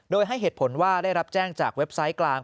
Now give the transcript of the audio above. โดยให้เหตุผลว่าได้รับแจ้งจากเว็บไซต์กลาง